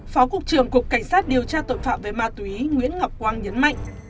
phó cục trưởng cục cảnh sát điều tra tội phạm về ma túy nguyễn ngọc quang nhấn mạnh